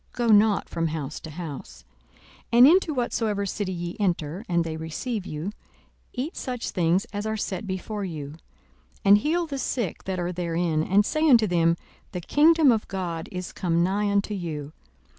Go not from house to house. 42:010:008 And into whatsoever city ye enter, and they receive you, eat such things as are set before you: 42:010:009 And heal the sick that are therein, and say unto them, The kingdom of God is come nigh unto you.